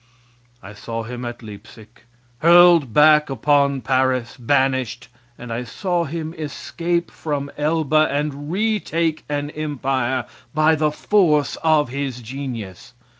I saw him at Leipsic; hurled back upon Paris, banished; and I saw him escape from Elba and retake an empire by the force of his genius.